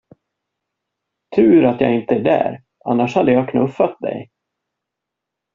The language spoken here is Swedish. Tur att jag inte är där, annars hade jag knuffat dig!